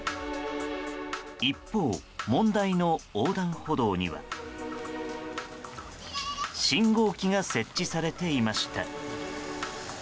一方、問題の横断歩道には信号機が設置されていました。